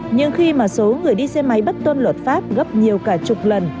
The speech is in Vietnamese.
nhưng khi mà số người đi xe máy bất tuân luật pháp gấp nhiều cả chục lần